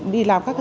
đi làm các thủ tục